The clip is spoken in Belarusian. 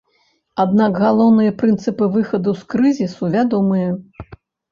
Аднак галоўныя прынцыпы выхаду з крызісу вядомыя.